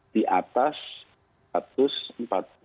di atas empat puluh empat juta orang